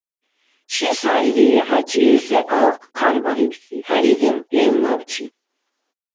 — Чи сайри хӀечи ил секӀал хъарбарибси? — хӀеризур ил набчи.